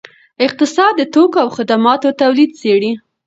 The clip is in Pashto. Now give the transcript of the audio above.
اقتصاد د توکو او خدماتو تولید څیړي.